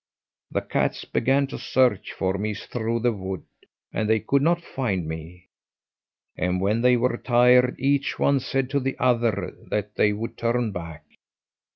The cats began to search for me through the wood, and they could not find me; and when they were tired, each one said to the other that they would turn back.